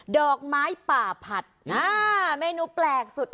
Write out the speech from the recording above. ดอกไม้ป่าผัดเมนูแปลกสุด